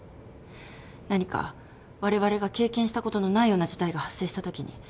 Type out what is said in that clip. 何かわれわれが経験したことのないような事態が発生したときに先生の知見が。